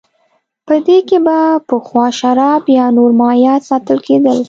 په دې کې به پخوا شراب یا نور مایعات ساتل کېدل